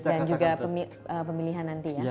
dan juga pemilihan nanti ya